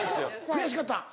悔しかった？